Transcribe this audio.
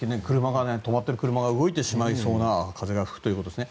止まっている車が動いてしまいそうな風が吹くということです。